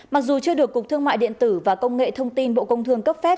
mặc dù chưa được cục thương mại điện tử và công nghệ thông tin bộ công thương cấp phép